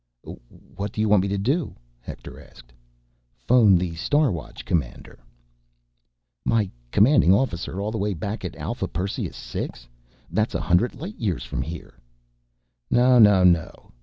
"What do you want me to do?" Hector asked. "Phone the Star Watch Commander—" "My commanding officer, all the way back at Alpha Perseus VI? That's a hundred light years from here." "No, no, no."